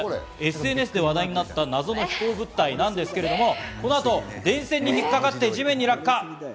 ＳＮＳで話題になった謎の飛行物体なんですけれども、この後、電線に引っかかって地面に落下。